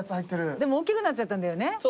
でも大きくなっちゃったんだよね。